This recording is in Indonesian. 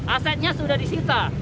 asetnya sudah disita